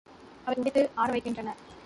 அவை துவைத்து ஆரவைக்கின்றன.